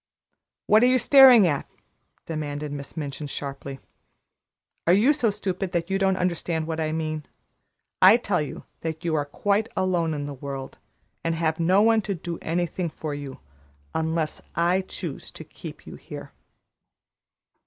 "What are you staring at?" demanded Miss Minchin sharply. "Are you so stupid you don't understand what I mean? I tell you that you are quite alone in the world, and have no one to do anything for you, unless I choose to keep you here."